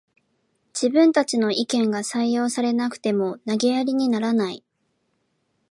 自分たちの意見が採用されなくても投げやりにならない